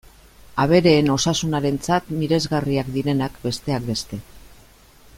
Abereen osasunarentzat miresgarriak direnak, besteak beste.